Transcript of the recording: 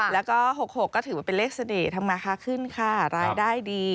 แล้วก็๖๖ก็ถือว่าเป็นเลขเสน่ห์ทำมาค้าขึ้นค่ะรายได้ดี